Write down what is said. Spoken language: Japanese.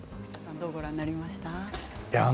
どうご覧になりました？